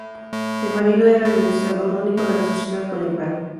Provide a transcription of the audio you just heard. El marido era el administrador único de la sociedad conyugal.